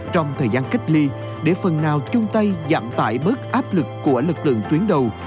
trong thời gian cách ly để phần nào chung tay giảm tải bớt áp lực của lực lượng tuyến đầu